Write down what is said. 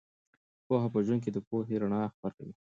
پوهه په ژوند کې د پوهې رڼا خپروي.